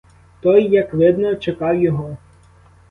Той, як видно, чекав його.